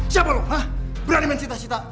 siapa lu berani main cita cita